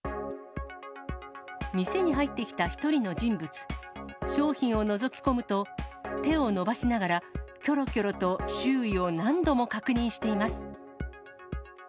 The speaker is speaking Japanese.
店に入ってきた一人の人物、商品をのぞき込むと、手を伸ばしながら、きょろきょろと周囲を何度も確認しています。